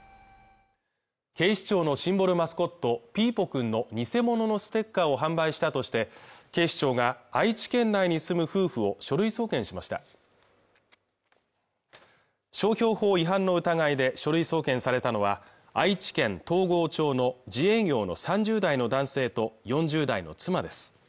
警視庁のシンボルマスコットピーポくんの偽物のステッカーを販売したとして警視庁が愛知県内に住む夫婦を書類送検しました商標法違反の疑いで書類送検されたのは愛知県東郷町の自営業の３０代の男性と４０代の妻です